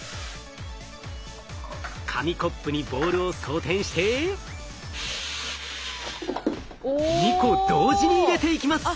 紙コップにボールを装てんして２個同時に入れていきます。